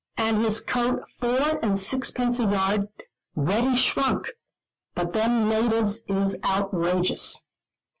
And his coat four and sixpence a yard, ready shrunk! But them natives is outrageous."